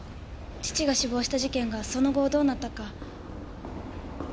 父が死亡した事件がその後どうなったか。